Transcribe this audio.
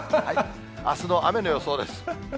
あすの雨の予想です。